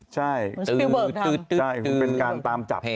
ใช่เหมือนสปีลเบิร์กทำเป็นการตามจับ